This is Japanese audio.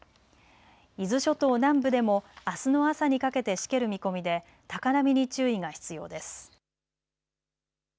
伊豆諸島南部でもあすの朝にかけてしける見込みで高波に注意が必要です。